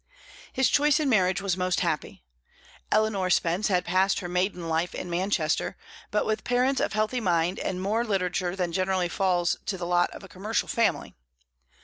His choice in marriage was most happy. Eleanor Spence had passed her maiden life in Manchester, but with parents of healthy mind and of more literature than generally falls to the lot of a commercial family.